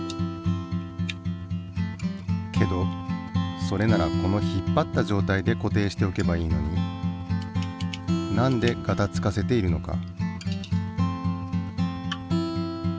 けどそれならこの引っぱった状態で固定しておけばいいのになんでガタつかせているのか？